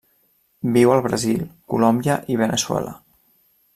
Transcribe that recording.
Viu al Brasil, Colòmbia i Veneçuela.